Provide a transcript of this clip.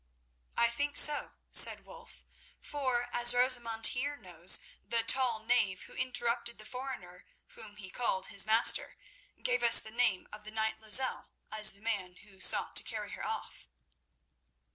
"I think so," said Wulf, "for, as Rosamund here knows, the tall knave who interpreted for the foreigner whom he called his master, gave us the name of the knight Lozelle as the man who sought to carry her off."